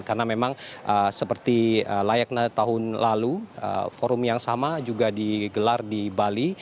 karena memang seperti layaknya tahun lalu forum yang sama juga digelar di bali